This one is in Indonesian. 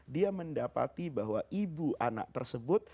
dia mendapati bahwa ibu anak tersebut